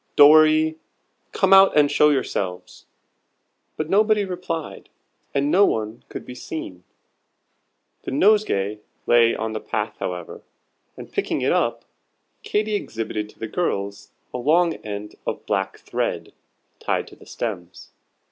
Dorry! come out and show yourselves." But nobody replied, and no one could be seen. The nosegay lay on the path, however, and picking it up, Katy exhibited to the girls a long end of black thread, tied to the stems.